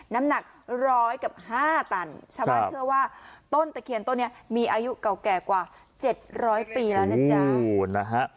น้ำหนักร้อยกับห้าตันชาวบ้านเชื่อว่าต้นตะเคียนต้นนี้มีอายุเก่าแก่กว่า๗๐๐ปีแล้วนะจ๊ะนะฮะ